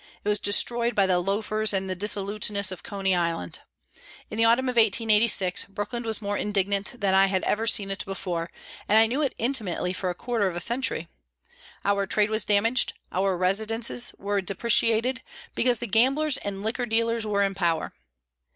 It was destroyed by the loafers and the dissoluteness of Coney Island. In the autumn of 1886, Brooklyn was more indignant than I had ever seen it before, and I knew it intimately for a quarter of a century. Our trade was damaged, our residences were depreciated, because the gamblers and liquor dealers were in power.